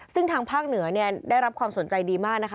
ซึ่งทางภาคเหนือได้รับความสนใจดีมาก